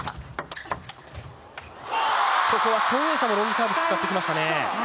ここは孫エイ莎もロングサービス使ってきましたね。